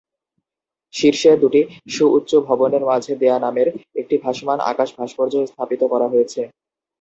শীর্ষে দু'টি সু-উচ্চু ভবনের মাঝে "দেয়া" নামের একটি ভাসমান আকাশ ভাস্কর্য স্থাপিত করা হয়েছে।